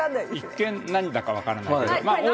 一見何だか分からない。